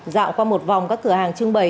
dạo qua một vòng các cửa hàng trưng bày